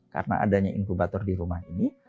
karena adanya inkubator di rumah ini